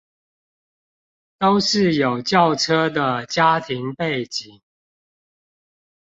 都是有轎車的家庭背景